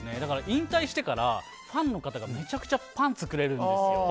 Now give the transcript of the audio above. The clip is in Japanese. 引退してから、ファンの方がめちゃくちゃパンツくれるんですよ。